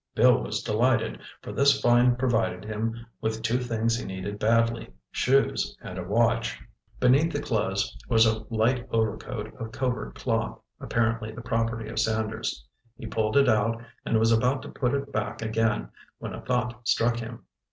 Bill was delighted, for this find provided him with two things he needed badly, shoes and a watch. Beneath the clothes was a light overcoat of covert cloth, apparently the property of Sanders. He pulled it out and was about to put it back again, when a thought struck him.